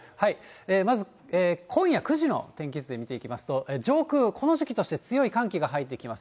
まず、今夜９時の天気図で見ていきますと、上空、この時期として強い寒気が入ってきます。